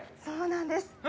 そうなんです。